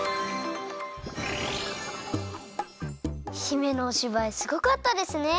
姫のおしばいすごかったですね！